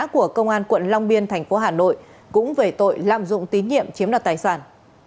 của công an quận long biên thành phố hà nội cũng về tội lạm dụng tín nhiệm chiếm đoạt tài sản